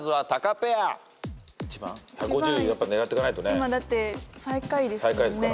今だって最下位ですもんね。